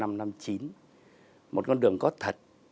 một con đường có thật